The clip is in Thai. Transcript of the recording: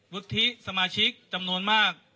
วุฒิสมาชิกจำนวนมาก